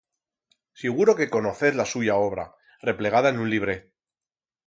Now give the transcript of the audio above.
Siguro que conocez la suya obra, replegada en un libret.